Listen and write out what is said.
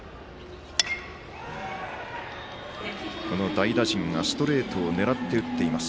代打陣がストレートを狙って、打っています。